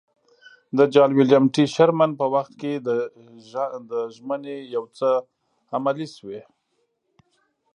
د جال ویلیم ټي شرمن په وخت کې دا ژمنې یو څه عملي شوې.